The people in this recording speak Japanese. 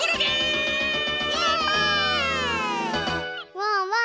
ワンワン